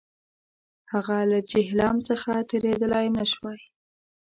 هغه له جیهلم څخه تېرېدلای نه شوای.